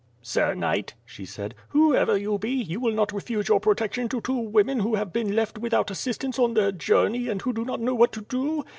"Sir knight," she said, "whoever you be, you will not re fuse your protection to two women who have been left with out assistance on their journey and who do not know what to do.